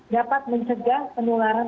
dapat mencegah penularan